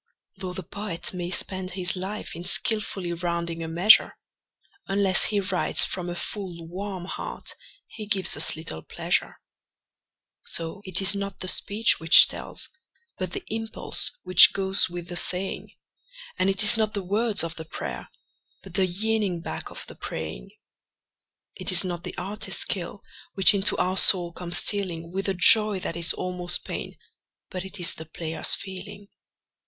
Though the poet may spend his life in skilfully rounding a measure, Unless he writes from a full, warm heart he gives us little pleasure. So it is not the speech which tells, but the impulse which goes with the saying; And it is not the words of the prayer, but the yearning back of the praying. It is not the artist's skill which into our soul comes stealing With a joy that is almost pain, but it is the player's feeling.